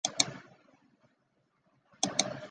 最小的超大质量黑洞约有数十万太阳质量。